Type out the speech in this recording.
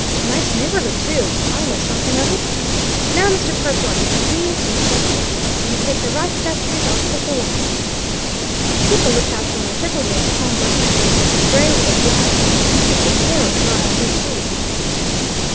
"Nice neighbourhood, too! I know something of it. Now, Mr. Perkwite, if you please, we'll separate. You take the right of that street I'll take the left. Keep a look out for my gentleman's Homburg hat grey, with a black band and keep the tail of your eye on me, too."